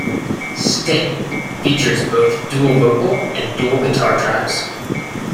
"Stain" features both dual vocal and dual guitar tracks.